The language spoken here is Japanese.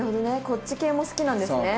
こっち系も好きなんですね。